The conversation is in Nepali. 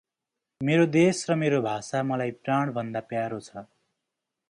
मेरो देश र मेरो भाषा मलाई प्राण भन्दा प्यारो छ ।